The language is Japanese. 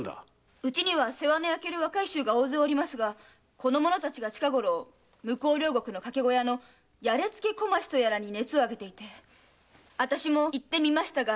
うちには世話のやける若い衆が大勢おりその者たちが近ごろ向両国の掛け小屋のやれ突け小町とやらに熱を上げていてあたしも行ってみましたが。